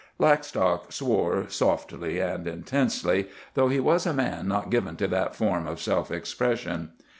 Blackstock swore, softly and intensely, though he was a man not given to that form of self expression.